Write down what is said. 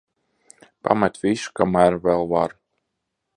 Pamet visu, kamēr vēl var.